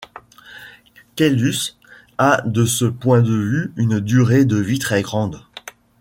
Caylus a de ce point de vue une durée de vie très grande.